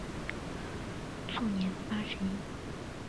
卒年八十一。